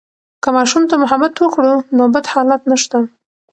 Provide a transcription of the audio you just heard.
که ماشوم ته محبت وکړو، نو بد حالات نشته.